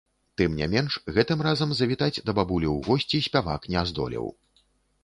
Тым не менш, гэтым разам завітаць да бабулі ў госці спявак не здолеў.